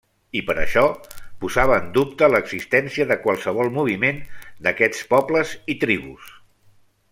I per això, posava en dubte l'existència de qualsevol moviment d'aquests pobles i tribus.